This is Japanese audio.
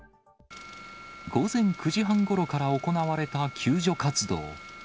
午前９時半ごろから行われた救助活動。